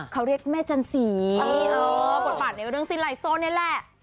เค้าเรียกแม่จันสิปวดปั่นในเรื่องซิลายซ์โซ่นี่แหละ